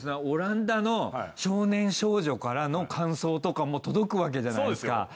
オランダの少年少女からの感想とかも届くわけじゃないですか。